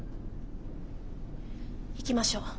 行きましょう。